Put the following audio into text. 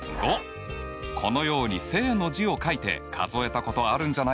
このように「正」の字を書いて数えたことあるんじゃないかな？